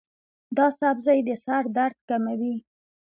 دا سبزی د سر درد کموي.